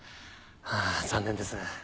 あぁ残念です。